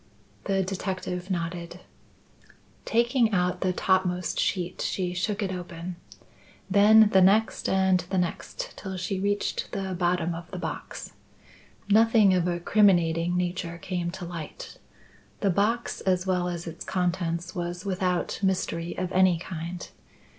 The detective nodded. Taking out the topmost sheet, she shook it open. Then the next and the next till she reached the bottom of the box. Nothing of a criminating nature came to light. The box as well as its contents was without mystery of any kind.